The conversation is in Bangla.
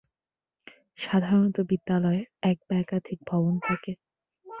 সাধারণত বিদ্যালয়ের এক বা একাধিক ভবন থাকে।